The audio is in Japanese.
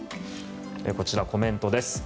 こちら、コメントです。